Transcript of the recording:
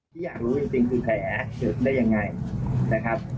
ที่อยากรู้จริงคือแผลเกิดได้ยังไงนะครับ